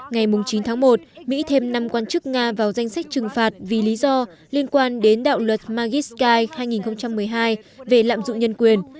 ngày chín tháng một mỹ thêm năm quan chức nga vào danh sách trừng phạt vì lý do liên quan đến đạo luật magiskai hai nghìn một mươi hai về lạm dụng nhân quyền